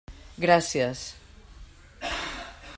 Gràcies.